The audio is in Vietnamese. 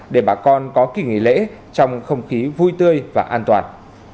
để bà con có kỳ nghỉ lễ trong không khí vui tươi và an toàn